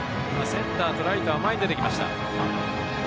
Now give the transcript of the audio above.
センターとライトは前に出てきました。